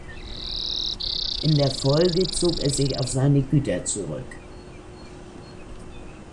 In der Folge zog er sich auf seine Güter zurück.